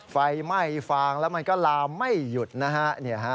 ไฟไหม้ฟางแล้วมันก็ลามไม่หยุดนะฮะ